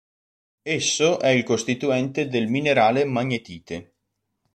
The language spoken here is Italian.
Esso è il costituente del minerale magnetite.